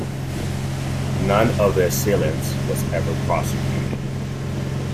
None of the assailants was ever prosecuted.